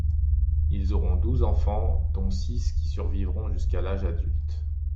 Ils auront douze enfants dont six qui survivront jusqu'à l'âge adulte.